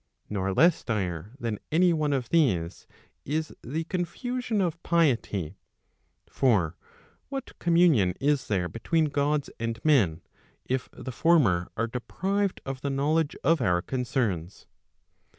Nor less dire than any one of these is the confusion of piety. For what communion is there between Gods and men, if the former are deprived of the knowledge of our concerns?